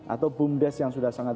atau bumdes yang sudah sangat